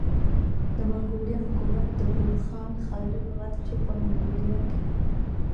د منګولیا حکومت د بورخان خلدون غر چي په منګولیا کي